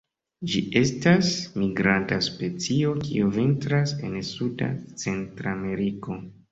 Ĝi estas migranta specio, kiu vintras en suda Centrameriko.